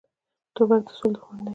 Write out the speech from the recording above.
توپک د سولې دښمن دی.